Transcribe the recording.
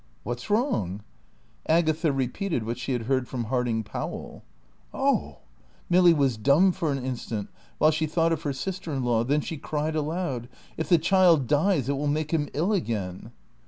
"What's wrong?" Agatha repeated what she had heard from Harding Powell. "Oh " Milly was dumb for an instant while she thought of her sister in law. Then she cried aloud. "If the child dies it will make him ill again!"